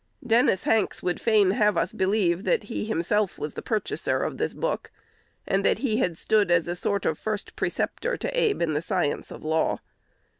1 Dennis Hanks would fain have us believe that he himself was the purchaser of this book, and that he had stood as a sort of first preceptor to Abe in the science of law.